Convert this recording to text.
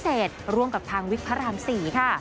ในโปรเจกต์พิเศษร่วมกับทางวิทยาภารภ์๔ค่ะ